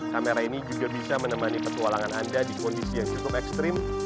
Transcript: kamera ini juga bisa menemani petualangan anda di kondisi yang cukup ekstrim